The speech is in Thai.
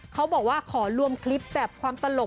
เขาบอกว่าขอรวมคลิปแบบความตลก